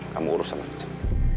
kamu urus sama richard